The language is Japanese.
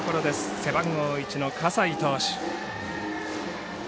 背番号１の葛西投手。